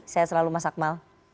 saya selalu mas akmal